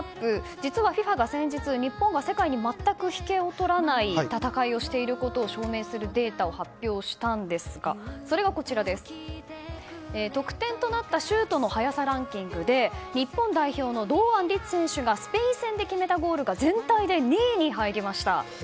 実はＦＩＦＡが先日日本が世界にまったく引けを取らない戦いをしていることを証明するデータを発表したんですがそれが、得点となったシュートの速さランキングで日本代表の堂安律選手がスペイン戦で決めたゴールが全体で２位に入りました。